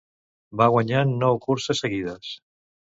Va guanyar nou curses seguides.